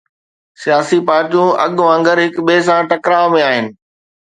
سياسي پارٽيون اڳ وانگر هڪ ٻئي سان ٽڪراءَ ۾ آهن.